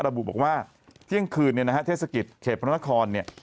ระบุบอกว่าเที่ยงคืนเนี่ยนะฮะเทศกิจเขตพระนครเนี่ย